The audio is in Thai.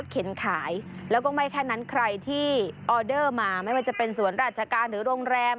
เพราะฉะนั้นใครที่ออเดอร์มาไม่ว่าจะเป็นสวนราชการหรือโรงแรม